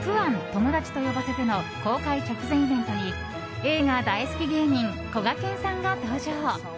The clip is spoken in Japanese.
友だちと呼ばせて」の公開直前イベントに映画大好き芸人こがけんさんが登場。